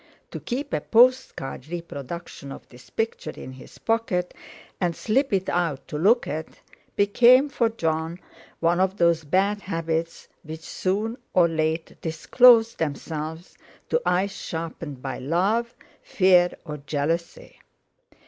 To keep a postcard reproduction of this picture in his pocket and slip it out to look at became for Jon one of those bad habits which soon or late disclose themselves to eyes sharpened by love, fear, or jealousy.